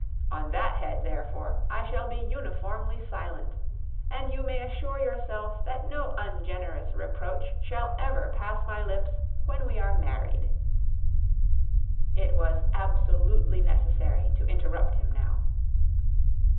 On that head, therefore, I shall be uniformly silent: and you may assure yourself that no ungenerous reproach shall ever pass my lips when we are married." It was absolutely necessary to interrupt him now.